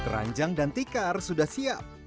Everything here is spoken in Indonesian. keranjang dan tikar sudah siap